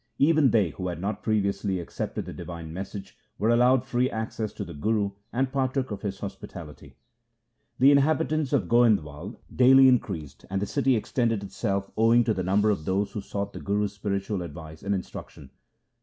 Even they who had not previously accepted the divine message, were allowed free access to the Guru, and partook of his hospitality. The inhabitants of Goindwal daily increased and the city extended itself owing to the number of those who sought the Guru's spiritual advice and instruc tion.